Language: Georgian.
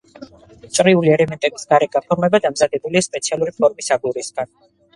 წრიული ელემენტების გარე გაფორმება დამზადებულია სპეციალური ფორმის აგურისგან.